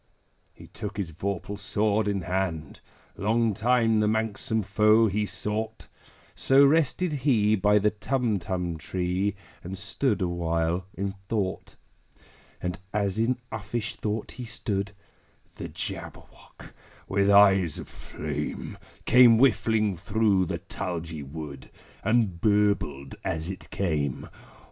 He took his vorpal sword in hand: Long time the manxome foe he sought So rested he by the Tumtum tree, And stood awhile in thought. And, as in uffish thought he stood, The Jabberwock, with eyes of flame, Came whiffling through the tulgey wood, And burbled as it came!